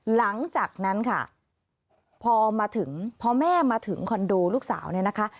หลังจากนั้นค่ะพอมาถึงพอแม่มาถึงคอนโดลูกสาวเนี่ยนะคะ